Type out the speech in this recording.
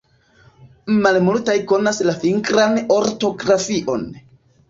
Malmultaj konas la fingran ortografion.